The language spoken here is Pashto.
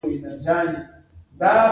په پایله کې به یې هر څه په ګډه ویشل.